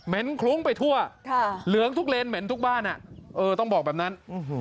คลุ้งไปทั่วเหลืองทุกเลนเหม็นทุกบ้านต้องบอกแบบนั้น